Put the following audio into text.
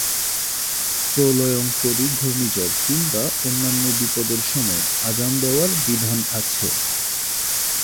প্রলয়ঙ্করী ঘূর্ণিঝড় কিংবা অন্যান্য বিপদের সময় আযান দেওয়ার বিধান আছে।